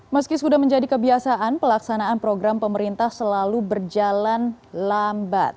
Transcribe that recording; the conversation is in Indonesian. meski sudah menjadi kebiasaan pelaksanaan program pemerintah selalu berjalan lambat